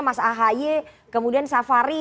mas ahaye kemudian safari